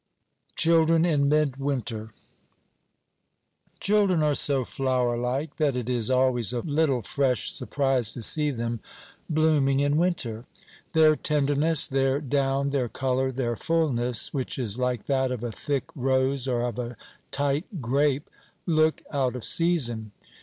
CHILDREN IN MIDWINTER Children are so flowerlike that it is always a little fresh surprise to see them blooming in winter. Their tenderness, their down, their colour, their fulness which is like that of a thick rose or of a tight grape look out of season.